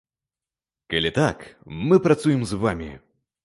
Калі так, мы працуем з вамі!